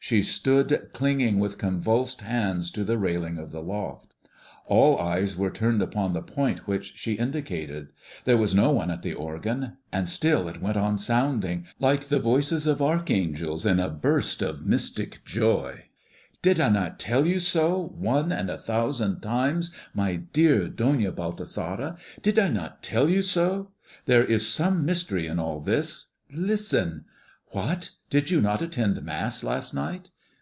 She stood clinging with convulsed hands to the railing of the loft. All eyes were turned upon the point which she indicated. There was no one at the organ, and still it went on sounding, like the voices of archangels, in a burst of mystic joy. "Did I not tell you so, one and a thousand times, my good Doña Baltasara, did I not tell you so? There is some mystery in all this. Listen. What! Did you not attend Mass last night?